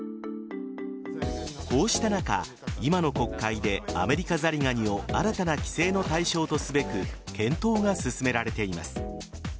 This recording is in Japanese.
こうした中今の国会でアメリカザリガニを新たな規制の対象とすべく検討が進められています。